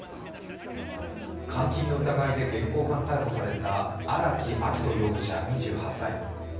監禁の疑いで現行犯逮捕された荒木秋冬容疑者２８歳。